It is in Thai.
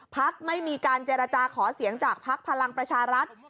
พักไม่มีการเจรจาขอเสียงจากภักดิ์พลังประชารัฐ